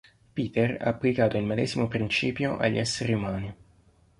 Peter ha applicato il medesimo principio agli esseri umani.